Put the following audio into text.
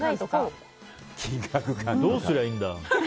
どうすりゃいいんだ。